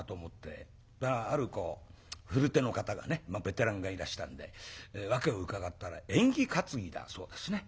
そしたらある古手の方がねベテランがいらしたんで訳を伺ったら縁起担ぎだそうですね。